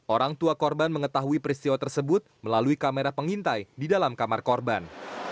orang tua korban mengetahui peristiwa tersebut melalui kamera pengintai di dalam kamar korban